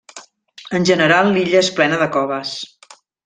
En general l'illa és plena de coves.